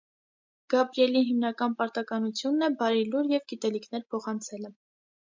Գաբրիէլի հիմնական պարտականութիւնն է բարի լուր եւ գիտելիքներ փոխանցելը։